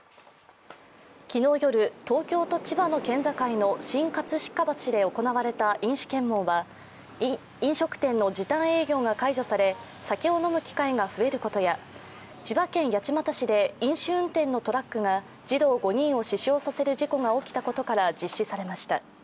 昨日夜、東京と千葉の県境の新葛飾橋で行われた飲酒検問は飲食店の時短営業が解除され酒を飲む機会が増えることや、千葉県八街市で飲酒運転のトラックが児童５人を死傷させる事故が起きたことから実施されました。